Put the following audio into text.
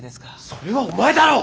それはお前だろ！